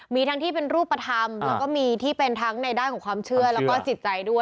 มีทั้งที่เป็นรูปธรรมแล้วก็มีที่เป็นทั้งในด้านของความเชื่อแล้วก็จิตใจด้วย